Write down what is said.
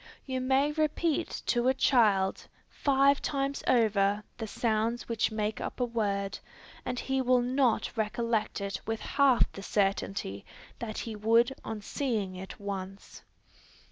You may repeat to a child five times over the sounds which make up a word, and he will not recollect it with half the certainty that he would on seeing it once.